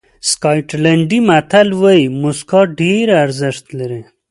سکاټلېنډي متل وایي موسکا ډېره ارزښت لري.